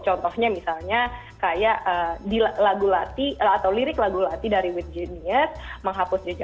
contohnya misalnya kayak di lagu lati atau lirik lagu lati dari with genius